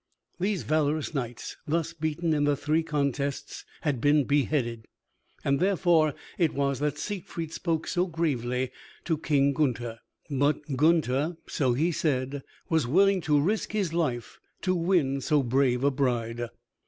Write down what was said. These valorous knights, thus beaten in the three contests, had been beheaded, and therefore it was that Siegfried spoke so gravely to King Gunther. But Gunther, so he said, was willing to risk his life to win so brave a bride.